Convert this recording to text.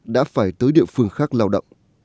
đã phải tới địa phương khác lao động